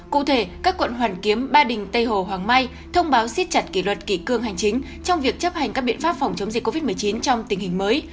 cụ thể các quận hoàn kiếm ba đình tây hồ hoàng mai thông báo siết chặt kỷ luật kỷ cương hành chính trong việc chấp hành các biện pháp phòng chống dịch covid một mươi chín trong tình hình mới